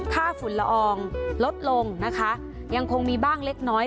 ฝุ่นละอองลดลงนะคะยังคงมีบ้างเล็กน้อย